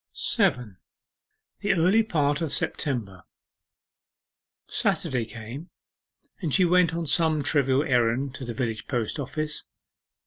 7. THE EARLY PART OF SEPTEMBER Saturday came, and she went on some trivial errand to the village post office.